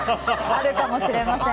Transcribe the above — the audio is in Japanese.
あるかもしれません。